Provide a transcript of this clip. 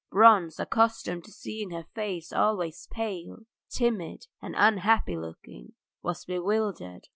Bronze, accustomed to seeing her face always pale, timid, and unhappy looking, was bewildered.